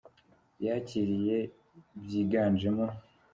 yakiriye bwiganjemo